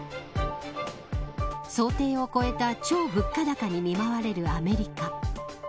想定を超えた超物価高に見舞われるアメリカ。